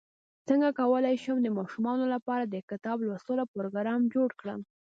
څنګه کولی شم د ماشومانو لپاره د کتاب لوستلو پروګرام جوړ کړم